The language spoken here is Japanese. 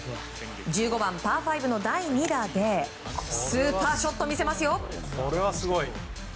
１５番、パー５の第２打でスーパーショット見せますよ。